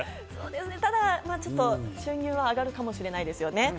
ただちょっと収入が上がるかもしれないですよね。